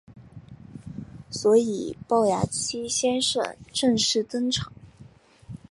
所以暴牙七先生正式登场。